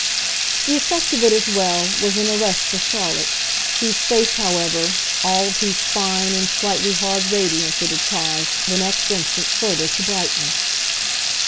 The effect of it, as well, was an arrest for Charlotte; whose face, however, all of whose fine and slightly hard radiance, it had caused, the next instant, further to brighten.